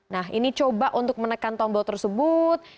nah ini coba untuk menekan tombol tersebut